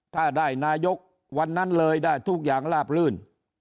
ถ้าได้นายกวันนั้นเลยได้ทุกอย่างลาบลื่น